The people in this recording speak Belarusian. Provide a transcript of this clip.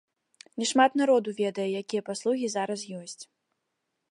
Не шмат народу ведае, якія паслугі зараз ёсць.